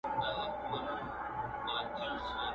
چي په لاره کي څو ځلي سوله ورکه!!